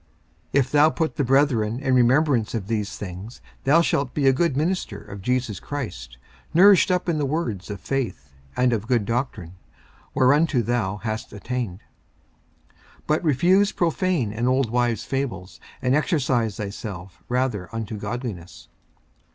54:004:006 If thou put the brethren in remembrance of these things, thou shalt be a good minister of Jesus Christ, nourished up in the words of faith and of good doctrine, whereunto thou hast attained. 54:004:007 But refuse profane and old wives' fables, and exercise thyself rather unto godliness.